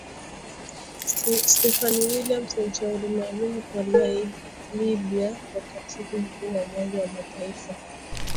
Stephanie Williams ni mshauri maalum kwa Libya wa katibu mkuu wa Umoja wa Mataifa Antonio Guterres, ambaye amekuwa akijaribu kuzipatanisha pande hizo mbili